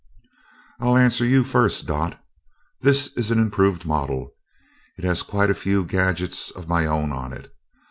"I'll answer you first, Dot. This is an improved model it has quite a few gadgets of my own in it.